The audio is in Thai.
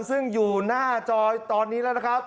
ซึ่งอยู่หน้าจอตอนนี้แล้วนะครับ